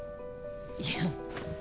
いや。